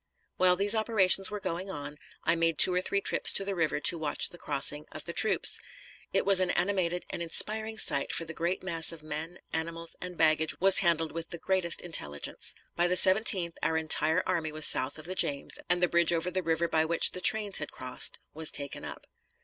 While these operations were going on, I made two or three trips to the river to watch the crossing of the troops. It was an animated and inspiring sight, for the great mass of men, animals, and baggage was handled with the greatest intelligence. By the 17th our entire army was south of the James, and the bridge over the river by which the trains had crossed was taken up.